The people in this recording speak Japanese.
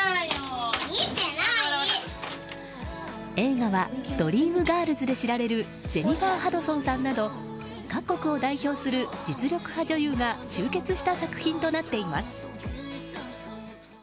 映画は「ドリーム・ガールズ」で知られるジェニファー・ハドソンさんなど各国を代表する実力派女優が集結した作品となっています。